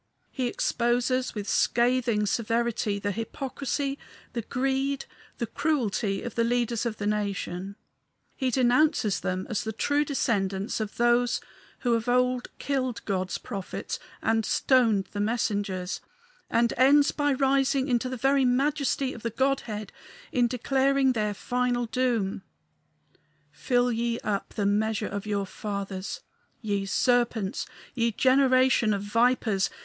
He exposes with scathing severity the hypocrisy, the greed, the cruelty of the leaders of the nation; he denounces them as the true descendants of those who of old killed God's prophets and stoned his messengers, and ends by rising into the very majesty of the Godhead in declaring their final doom: "Fill ye up the measure of your fathers. Ye serpents! Ye generation of vipers!